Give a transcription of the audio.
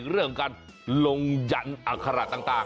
เรื่องการลงหยั่นอักษระต่าง